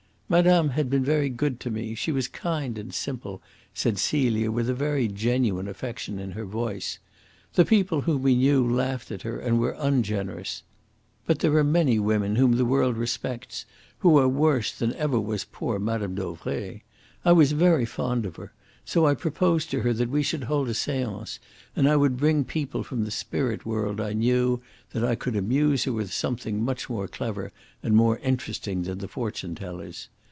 "Madame had been very good to me. She was kind and simple," said Celia, with a very genuine affection in her voice. "The people whom we knew laughed at her, and were ungenerous. But there are many women whom the world respects who are worse than ever was poor Mme. Dauvray. I was very fond of her, so I proposed to her that we should hold a seance, and I would bring people from the spirit world I knew that I could amuse her with something much more clever and more interesting than the fortune tellers.